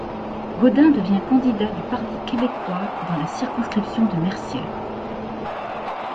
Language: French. Godin devient candidat du Parti québécois dans la circonscription de Mercier.